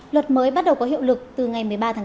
luật mới bắt đầu có hiệu lực từ ngày một mươi ba tháng bốn